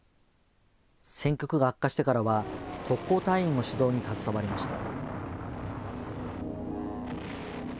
戦局が悪化してからは特攻隊員の指導に携わりました。